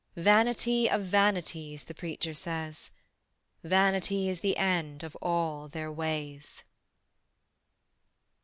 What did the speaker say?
Vanity of vanities, The Preacher says: Vanity is the end Of all their ways.